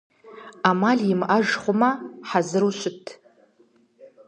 Ӏэмал имыӀэж хъумэ, хьэзыру щыт.